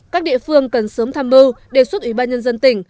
các địa phương cần sớm tham mưu đề xuất ủy ban nhân dân tỉnh